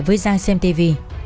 với giang xem tv